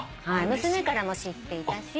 娘からも知っていたし。